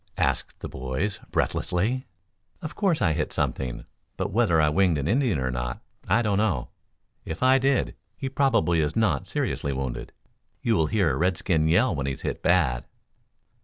asked the boys breathlessly. "Of course, I hit something; but whether I winged an Indian or not, I don't know. If I did, he probably is not seriously wounded. You'll hear a redskin yell when he's hit bad."